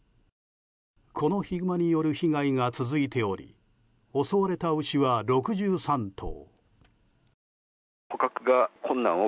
このヒグマによる被害が続いており襲われた牛は６３頭。